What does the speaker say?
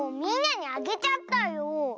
みんなにあげちゃったよ。